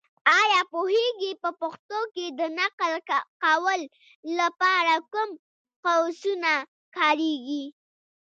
ایا پوهېږې؟ په پښتو کې د نقل قول لپاره کوم قوسونه کارېږي.